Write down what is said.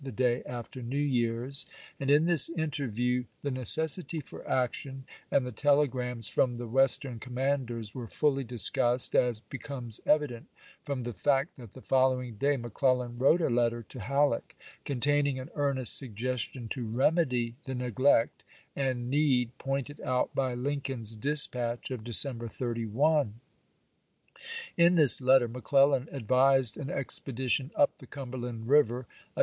the day after New Year's; and in this interview p^m" the necessity for action and the telegrams from the Western commanders were fully discussed, as be comes evident from the fact that the following day McClellan wrote a letter to Halleck containing an earnest suggestion to remedy the neglect and need pointed out by Lincoln's dispatch of December 31. In this letter McClellan advised an expedition up the Cumberland River, a.